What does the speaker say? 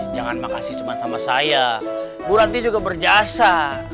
jangan makasih cuma sama saya bu ranti juga berjasa